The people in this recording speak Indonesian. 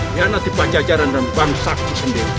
khianati pajacaran dan bangsa ku sendiri